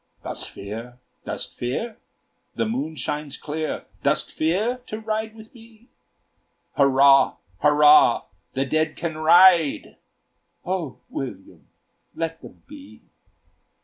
"Dost fear? dost fear? The moon shines clear, Dost fear to ride with me? Hurrah! hurrah! the dead can ride!" "O William, let them be!